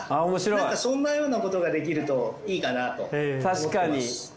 なんかそんなようなことができるといいかなと思います。